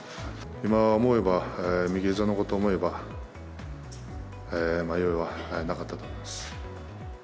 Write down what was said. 今思えば、右ひざのことを思えば、迷いはなかったと思います。